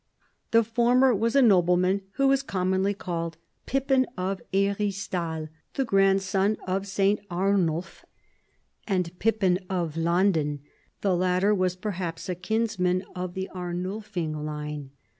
The former was the nobleman who is commonly called Pippin of Ileris tal, the grandson of St. Arnulf and Pippin of Lan den ; the latter was perhaps a kinsman of the Arnulfing line.